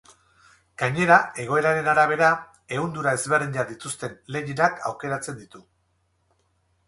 Gainera, egoeraren arabera, ehundura ezberdinak dituzten legginak aukeratzen ditu.